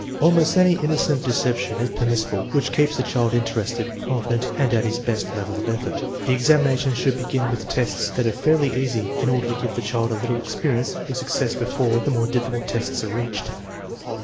Almost any innocent deception is permissible which keeps the child interested, confident, and at his best level of effort. The examination should begin with tests that are fairly easy, in order to give the child a little experience with success before the more difficult tests are reached.